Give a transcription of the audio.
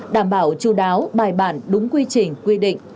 đảm bảo chú đáo bài bản đúng quy trình quy định